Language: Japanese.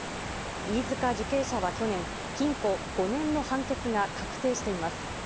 飯塚受刑者は去年、禁錮５年の判決が確定しています。